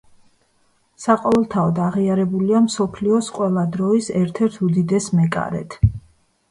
საყოველთაოდ აღიარებულია მსოფლიოს ყველა დროის ერთ-ერთ უდიდეს მეკარედ.